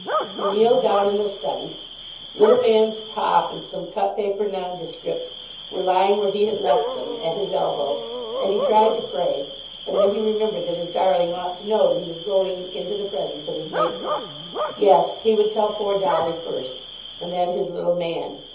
He kneeled down in the study 'Little man's' top, and some cut paper nondescripts, were lying where he had left them, at his elbow and he tried to pray, and then he remembered that his darling ought to know that he was going into the presence of his Maker. Yes, he would tell poor Dolly first, and then his little man.